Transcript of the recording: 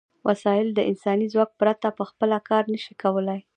وسایل د انساني ځواک پرته په خپله کار نشي کولای.